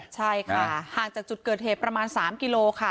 ใช่ค่ะห่างจากจุดเกิดเหตุประมาณ๓กิโลค่ะ